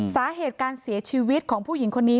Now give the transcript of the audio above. สาเหตุการเสียชีวิตของผู้หญิงคนนี้